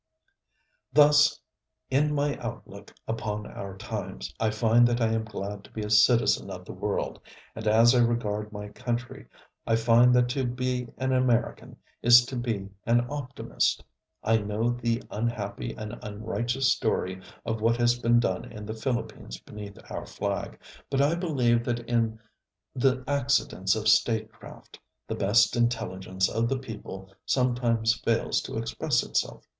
Thus in my outlook upon our times I find that I am glad to be a citizen of the world, and as I regard my country, I find that to be an American is to be an optimist. I know the unhappy and unrighteous story of what has been done in the Philippines beneath our flag; but I believe that in the accidents of statecraft the best intelligence of the people sometimes fails to express itself.